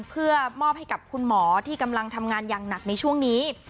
เพื่อมอบให้กับคุณหมอที่กำลังทำงานอย่างหนักในช่วงนี้